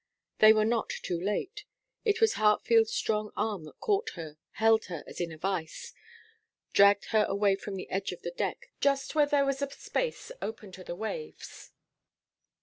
They were not too late. It was Hartfield's strong arm that caught her, held her as in a vice, dragged her away from the edge of the deck, just where there was a space open to the waves.